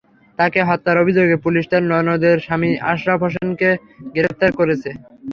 তাঁকে হত্যার অভিযোগে পুলিশ তাঁর ননদের স্বামী আশরাফ হোসেনকে প্রেপ্তার করেছে।